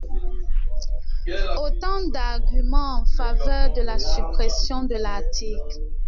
Autant d’arguments en faveur de la suppression de l’article.